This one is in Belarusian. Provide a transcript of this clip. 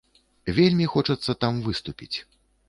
Вельмі хочацца там выступіць.